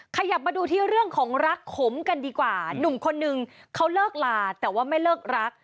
ขยับมาดูที่เรื่องของรักขมกันดีกว่าหนุ่มคนนึงเขาเลิกลาแต่ว่าไม่เลิกรัก